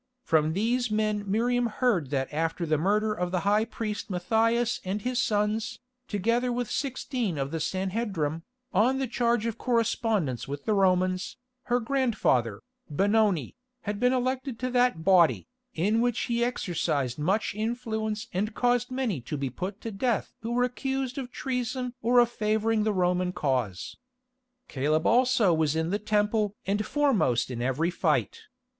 From these men Miriam heard that after the murder of the high priest Mathias and his sons, together with sixteen of the Sanhedrim, on a charge of correspondence with the Romans, her grandfather, Benoni, had been elected to that body, in which he exercised much influence and caused many to be put to death who were accused of treason or of favouring the Roman cause. Caleb also was in the Temple and foremost in every fight.